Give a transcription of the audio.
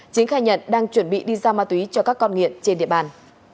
chính khai nhận đang chuẩn bị đi giao ma túy cho các con nghiện trên địa bàn